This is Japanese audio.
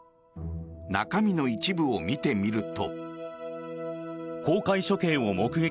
中身の一部を見てみると。